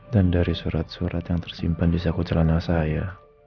dan dari surat surat yang tersimpan di saku celana saya